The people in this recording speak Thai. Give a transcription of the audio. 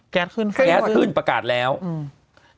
แก๊สขึ้นขึ้นแก๊สขึ้นประกาศแล้วอืม